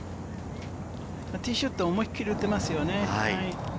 ティーショット、思い切り打てますよね。